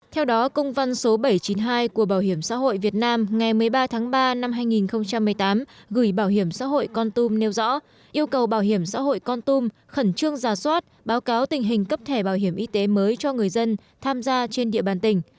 theo đó công văn số bảy trăm chín mươi hai của bảo hiểm xã hội việt nam ngày một mươi ba tháng ba năm hai nghìn một mươi tám gửi bảo hiểm xã hội con tum nêu rõ yêu cầu bảo hiểm xã hội con tum khẩn trương giả soát báo cáo tình hình cấp thẻ bảo hiểm y tế mới cho người dân tham gia trên địa bàn tỉnh